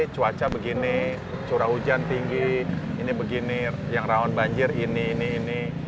cuaca begini curah hujan tinggi ini begini yang rawan banjir ini ini ini